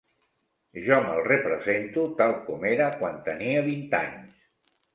Jo me'l represento tal com era quan tenia vint anys.